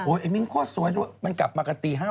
โอ๊ยไอ้มิ้งพ่อสวยมันกลับมากันตี๕๖โมง